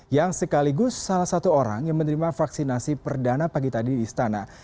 yang sekaligus salah satu orang yang menerima vaksinasi perdana pagi tadi di istana